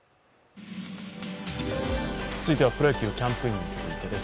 続いてはプロ野球、キャンプインについてです。